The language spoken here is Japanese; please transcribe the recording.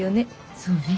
そうね。